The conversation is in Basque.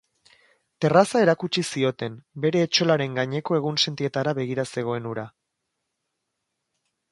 Terraza erakutsi zioten, bere etxolaren gaineko egunsentietara begira zegoen hura.